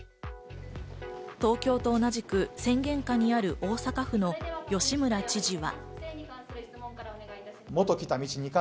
東京と同じく宣言下にある大阪府の吉村知事は。